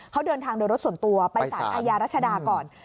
เขาเดินทางโดยรถส่วนตัวไปสารอาญารัชดาก่อน